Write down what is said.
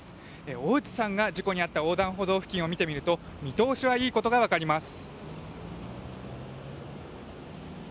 大内さんが事故に遭った横断歩道付近を見てみると見通しがいいことが分かります。